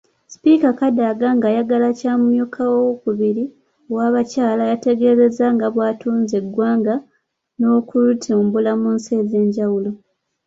Sipiika Kadaga ng'ayagala kya mumyuka owookubiri ow’abakyala, yategeezezza nga bw'atunze eggwanga n’okulitumbula mu nsi ez’enjawulo.